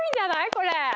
これ！